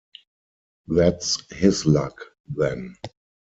That's his luck, then.